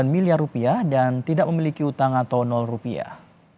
sembilan miliar rupiah dan tidak memiliki utang atau rupiah